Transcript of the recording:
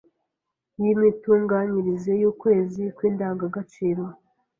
y’imitunganyirize y’ukwezi kw’indangagaciro.